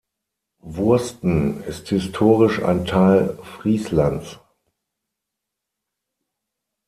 Wursten ist historisch ein Teil Frieslands.